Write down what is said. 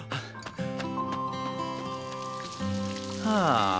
ああ！